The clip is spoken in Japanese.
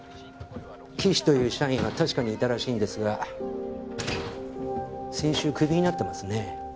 岸という社員は確かにいたらしいんですが先週クビになってますね